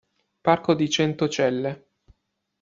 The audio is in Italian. Parco di Centocelle